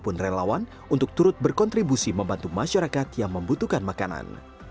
pun relawan untuk turut berkontribusi membantu masyarakat yang membutuhkan makanan